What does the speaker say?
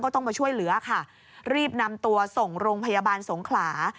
ต้องมาช่วยเหลือค่ะรีบนำตัวส่งโรงพยาบาลสงขลา